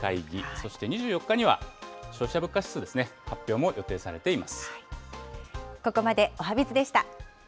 そして２４日には、消費者物価指数ですね、発表も予定されています。